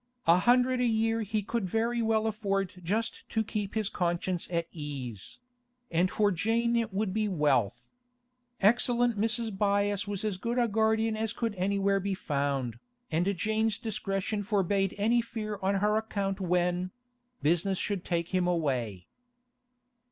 A hundred a year he could very well afford just to keep his conscience at ease; and for Jane it would be wealth. Excellent Mrs. Byass was as good a guardian as could anywhere be found, and Jane's discretion forbade any fear on her account when—business should take him away.